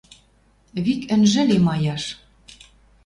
Вик ӹнжӹ ли маяш.